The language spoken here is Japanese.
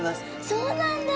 そうなんだ。